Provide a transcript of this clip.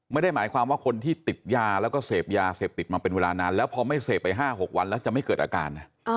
ไม่ได้หมายความว่าคนที่ติดยาแล้วก็เสพยาเสพติดมาเป็นเวลานานแล้วพอไม่เสพไป๕๖วันแล้วจะไม่เกิดอาการนะ